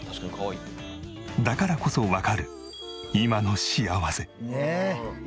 だからこそわかる今の幸せ。